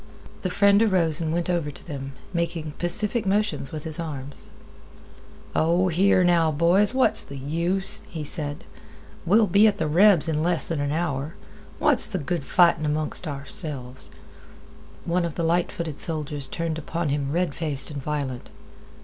The friend arose and went over to them, making pacific motions with his arms. "Oh, here, now, boys, what's th' use?" he said. "We'll be at th' rebs in less'n an hour. What's th' good fightin' 'mong ourselves?" One of the light footed soldiers turned upon him red faced and violent.